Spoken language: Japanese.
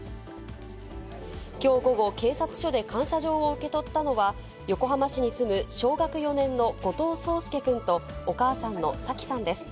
きょう午後、警察署で感謝状を受け取ったのは、横浜市に住む小学４年の後藤奏介君と、お母さんの早紀さんです。